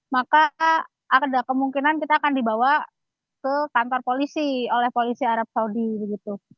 maka ada kemungkinan kita akan dibawa ke kantor polisi oleh polisi arab saudi begitu